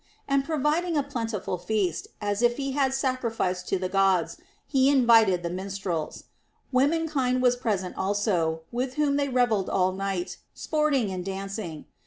And providing a plentiful feast, as if he had sacrificed to the Gods, he in vited the minstrels ; women kind was present also, with whom they revelled all night, sporting and dancing.